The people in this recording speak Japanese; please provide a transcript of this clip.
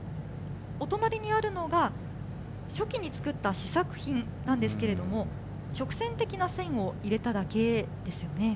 お隣にあるのが、初期に作った試作品なんですけれども、直線的な線を入れただけですよね。